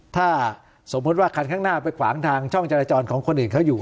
ถ้าสมมุติว่าคันข้างหน้าไปขวางทางช่องจราจรของคนอื่นเขาอยู่